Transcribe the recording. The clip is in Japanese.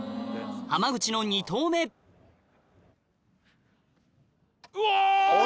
浜口の２投目うお！